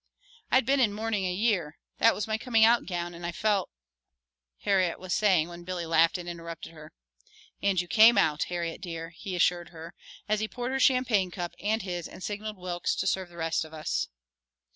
"I'd been in mourning a year. That was my coming out gown and I felt " Harriet was saying when Billy laughed and interrupted her. "And you came out, Harriet dear," he assured her, as he poured her champagne cup and his and signaled Wilks to serve the rest of us.